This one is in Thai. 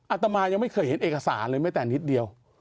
อาตมายังไม่เคยเห็นเอกสารเลยแม้แต่นิดเดียว